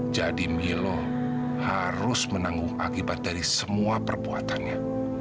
jadi milo harus menanggung akibat dari semua perbuatannya